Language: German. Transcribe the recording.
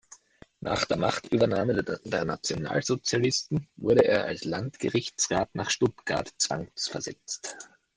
Nach der Machtübernahme der Nationalsozialisten wurde er als Landgerichtsrat nach Stuttgart zwangsversetzt.